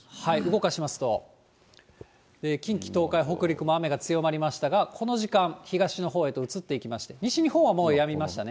動かしますと、近畿、東海、北陸も雨が強まりましたが、この時間、東のほうへと移っていきまして、西日本はもうやみましたね。